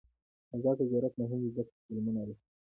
آزاد تجارت مهم دی ځکه چې فلمونه رسوي.